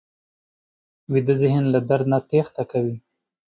ویده ذهن له درد نه تېښته کوي